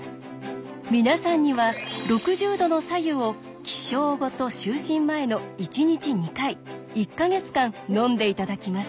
皆さんには６０℃の白湯を起床後と就寝前の１日２回１か月間飲んでいただきます。